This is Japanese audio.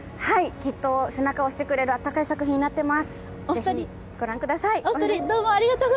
きっと背中を押してくれるあったかい作品になってます。